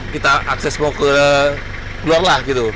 kita akses mau ke luar lah gitu